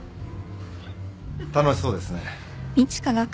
・楽しそうですね。